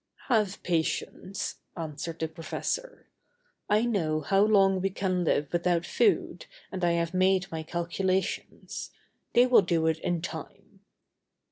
"Have patience," answered the professor. "I know how long we can live without food and I have made my calculations. They will do it in time."